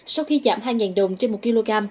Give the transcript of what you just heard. sau khi giảm hai đồng trên một kg